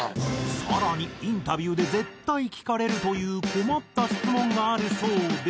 さらにインタビューで絶対聞かれるという困った質問があるそうで。